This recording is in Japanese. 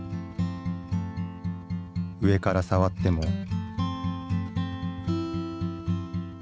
上から触っても。